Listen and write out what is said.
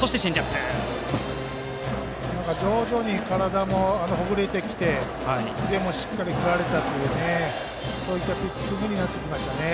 徐々に体もほぐれてきて腕もしっかり振れているそういったピッチングになってきましたね。